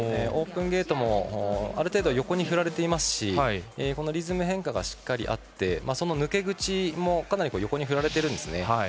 オープンゲートもある程度、横に振られていますしリズム変化がしっかりあって抜け口もかなり横に振られているんですね。